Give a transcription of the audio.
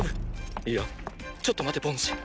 いやちょっと待てボンシェン